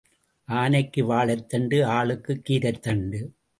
ஆனைக்கு வாழைத்தண்டு ஆளுக்குக் கீரைத்தண்டு.